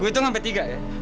gue itu sampe tiga ya